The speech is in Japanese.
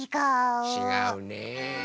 ちがうね。